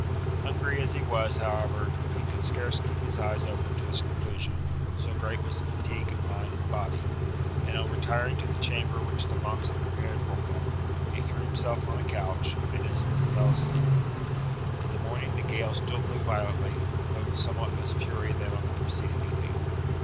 Hungry as he was, however, he could scarce keep his eyes open to its conclusion, so great was the fatigue of mind and body; and on retiring to the chamber which the monks had prepared for him, he threw himself on a couch and instantly fell asleep. In the morning the gale still blew violently, but with somewhat less fury than on the preceding evening.